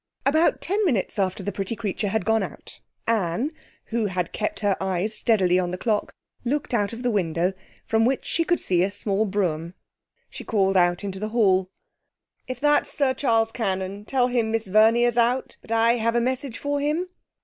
About ten minutes after the pretty creature had gone out, Anne, who had kept her eyes steadily on the clock, looked out of the window, from which she could see a small brougham driving up. She called out into the hall 'If that's Sir Charles Cannon, tell him Miss Verney is out, but I have a message for him.'